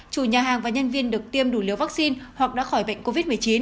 chủ nhà hàng và nhân viên được tiêm đủ liều vaccine hoặc đã khỏi bệnh covid một mươi chín